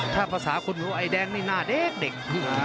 ถ้าภาษาคนรู้ไอ้แดงนี่หน้าเด็กเด็ก